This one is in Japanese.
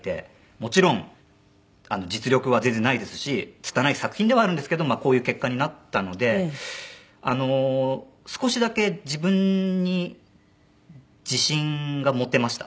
もちろん実力は全然ないですしつたない作品ではあるんですけどこういう結果になったので少しだけ自分に自信が持てました。